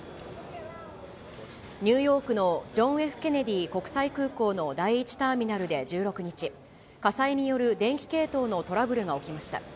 ニューヨークのジョン・Ｆ・ケネディ国際空港の第１ターミナルで１６日、火災による電気系統のトラブルが起きました。